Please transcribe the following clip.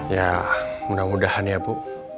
ya mudah mudahan ya bu